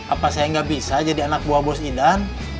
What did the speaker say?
apa saya nggak bisa jadi anak buah bos idan